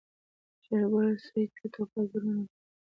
شېرګل سوی ته ټوپک ور ونيو.